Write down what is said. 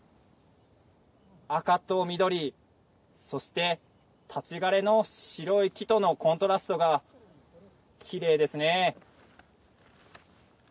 赤と緑そして、立ち枯れの白い木とのコントラストがきれいですね。